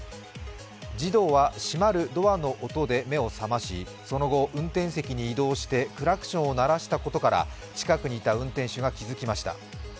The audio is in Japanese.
児童は閉まるドアの音で目を覚まし、その後、運転席に移動してクラクションを鳴らしたことから近くにいた運転手が気づきました。